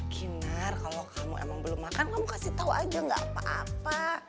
kinar kalau kamu emang belum makan kamu kasih tau aja gak apa apa